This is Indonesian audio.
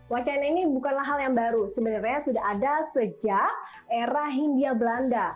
wacana ini bukanlah hal yang baru sebenarnya sudah ada sejak era hindia belanda